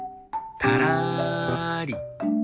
たらり。